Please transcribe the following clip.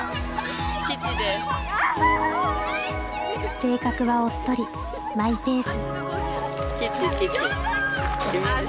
性格はおっとりマイペース。